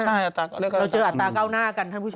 ใช่เราเจออัตราเก้าหน้ากันท่านผู้ชม